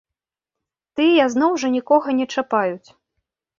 Тыя, зноў жа, нікога не чапаюць.